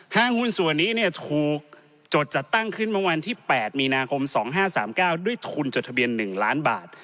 ห้างหุ้นส่วนนี้ถูกจดจัดตั้งขึ้นเมื่อวันที่๘มีนาคม๒๕๓๙ด้วยทุนจดทะเบียน๑ล้านบาท